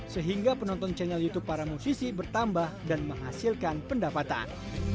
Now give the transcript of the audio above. sehingga penonton channel youtube para musisi bertambah dan menghasilkan pendapatan